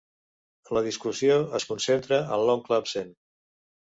La discussió es concentra en l'oncle absent.